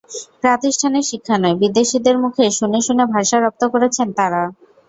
প্রাতিষ্ঠানিক শিক্ষা নয়, বিদেশিদের মুখে শুনে শুনে ভাষা রপ্ত করেছেন তাঁরা।